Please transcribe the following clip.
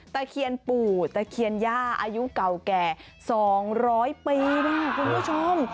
ตะเคียนปู่ตะเคียนย่าอายุเก่าแก่๒๐๐ปีนะคุณผู้ชม